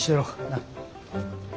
なっ？